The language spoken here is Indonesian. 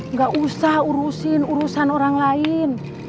nggak usah urusin urusan orang lain